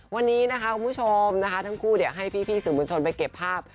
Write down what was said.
วันนี้นะคะคุณผู้ชมนะคะทั้งคู่ให้พี่สื่อมวลชนไปเก็บภาพ